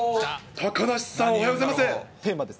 高梨さん、おはようございます。